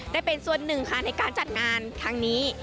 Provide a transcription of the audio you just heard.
ได้เป็นส่วนหนึ่งค่ะในการจัดงานครั้งนี้